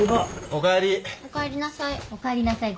おかえりなさい。